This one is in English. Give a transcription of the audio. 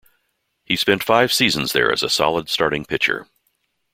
He spent five seasons there as a solid starting pitcher.